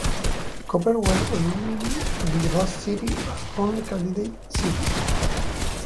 Koper were originally to be host city as only candidate city.